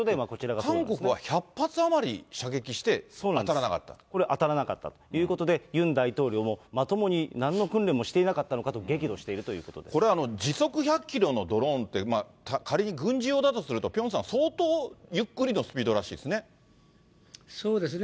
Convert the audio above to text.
韓国は１００発余り射撃してこれ、当たらなかったということで、ユン大統領も、まともになんの訓練もしていなかったのかと激怒しているというここれ、時速１００キロのドローンって、仮に軍事用だとすると、ピョンさん、相当ゆっくりのスピそうですね。